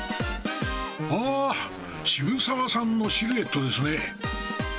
あ、渋沢さんのシルエットですね。